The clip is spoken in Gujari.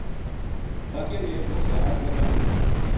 باقیاں نے وہ ساگ نہ کھادو